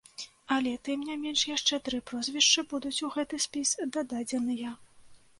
Але, тым не менш, яшчэ тры прозвішчы будуць у гэты спіс дададзеныя.